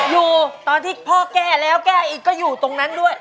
อยู่ตอนที่พ่อแก้แล้วแก้อีกก็อยู่ตรงนั้นด้วย